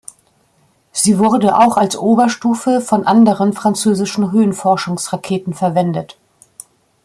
Sie wurde auch als Oberstufe von anderen französischen Höhenforschungsraketen verwendet.